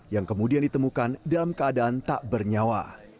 yang kemudian ditemukan dalam keadaan tak bernyawa